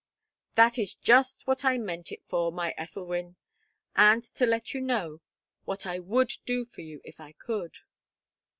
"That is just what I meant it for, my Ethelwyn, and to let you know what I would do for you if I could."